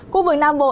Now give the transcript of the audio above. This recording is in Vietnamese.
khu vực nam bộ